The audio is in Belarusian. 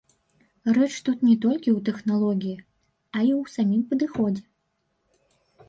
Рэч тут не толькі ў тэхналогіі, а і ў самім падыходзе.